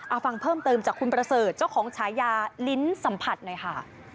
เอาฟังเพิ่มเติมจากคุณประเสริฐเจ้าของฉายาลิ้นสัมผัสหน่อยค่ะ